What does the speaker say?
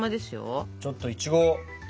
ちょっといちごを。